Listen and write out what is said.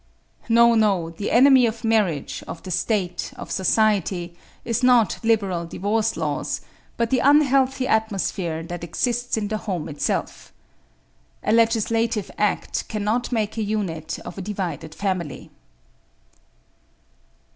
"No, no; the enemy of marriage, of the State, of society is not liberal divorce laws, but the unhealthy atmosphere that exists in the home itself. A legislative act cannot make a unit of a divided family."